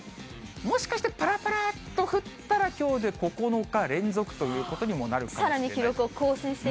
もしかしてぱらぱらっと降ったら、きょうで９日連続ということにもなるかもしれない。